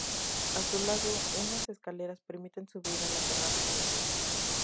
A su lado, unas escaleras permiten subir a la Terraza de Brühl.